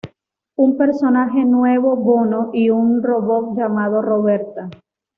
Un personaje nuevo bono y un robot llamado Roberta.